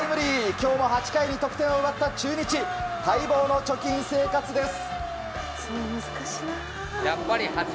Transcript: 今日も８回に得点を奪った中日待望の貯金生活です。